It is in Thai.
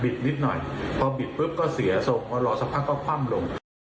บิดนิดหน่อยพอบิดปุ๊บก็เสียส่งอ่อหลอกสักครั้งก็คว่ำลง